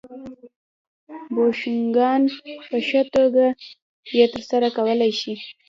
بوشونګان په ښه توګه یې ترسره کولای شي